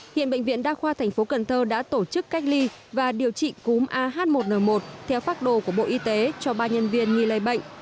hiện bệnh viện đa khoa thành phố cần thơ đã tổ chức cách ly và điều trị cúm ah một n một theo phác đồ của bộ y tế cho ba nhân viên nghi lây bệnh